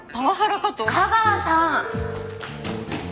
架川さん！